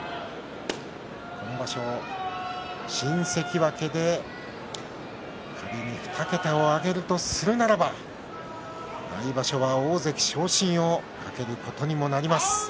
今場所、新関脇で仮に２桁を挙げるとするならば来場所は大関昇進を懸けることにもなります。